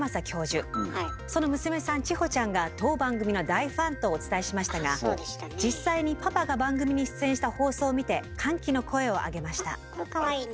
その娘さん千穂ちゃんが当番組の大ファンとお伝えしましたが実際にパパが番組に出演した放送を見て歓喜の声を上げました。